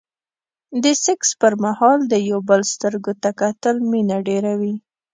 د سکس پر مهال د يو بل سترګو ته کتل مينه ډېروي.